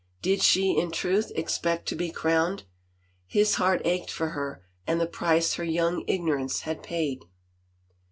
Did she, in truth, expect to be crowned? ... His heart ached for her and the price her young ignorance had paid.